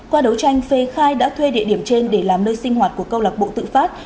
qua đấu tranh phê khai đã thuê địa điểm trên để làm nơi sinh hoạt của câu lạc bộ tự phát